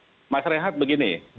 jadi mas rehat begini